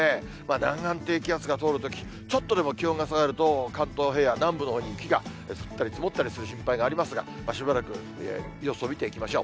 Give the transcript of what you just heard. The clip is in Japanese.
南岸低気圧が通るとき、ちょっとでも気温が下がると、関東平野、南部のほうで雪が降ったり積もったりする心配がありますが、しばらく様子を見ていきましょう。